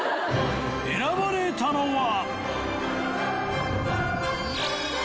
選ばれたのは。